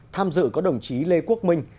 tham dự có đồng chí lê quốc minh